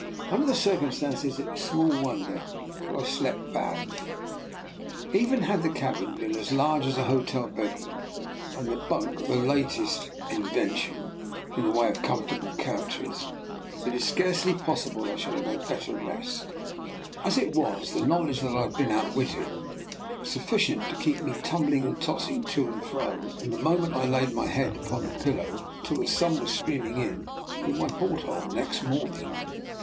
Under the cilrcum stances it was small wonder that I slepit bad ly. Even had the cabin been as largife as a hotel bedroom, and the bunk the latrtest in 104 .]\ DR. NIKOLA'S EXPERIMENT. 105 vention in the way of comfortable couches, it is scarcely possible I should have had bet ter rest. As it was, the knowledge that I had been outwitted was sufficient to keep me tumbling and tossing to and fro, from the moment I laid my head upon the pillow until the sun was streaming in through my port hole next morning.